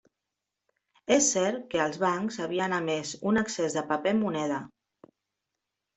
És cert que els bancs havien emès un excés de paper moneda.